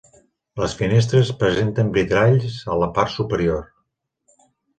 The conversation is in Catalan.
Les finestres presenten vitralls a la part superior.